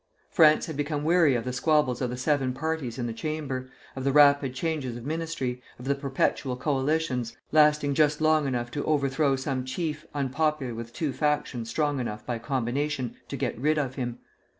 France had become weary of the squabbles of the seven parties in the Chamber, of the rapid changes of ministry, of the perpetual coalitions, lasting just long enough to overthrow some chief unpopular with two factions strong enough by combination to get rid of him.